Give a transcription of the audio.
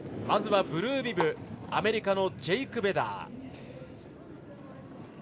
まずブルービブアメリカのジェイク・ベダー。